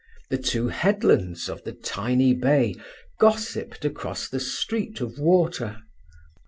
The two headlands of the tiny bay gossiped across the street of water.